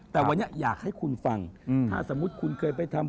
แต่วันนี้อยากให้คุณฟังถ้าสมมุติคุณเคยไปทำ